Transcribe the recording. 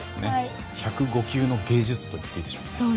１０５球の芸術といっていいでしょう。